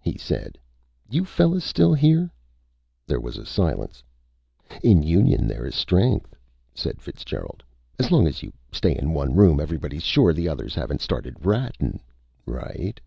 he said. "You fellas still here!" There was silence. "In union there is strength," said Fitzgerald. "As long as you stay in one room everybody's sure the others haven't started rattin'. Right?"